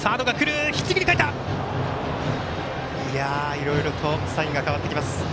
いろいろとサインが変わってきます。